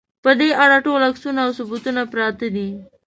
په دې اړه ټول عکسونه او ثبوتونه پراته دي.